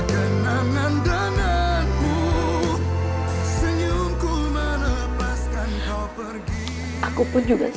kamu akan pernah mendahulukan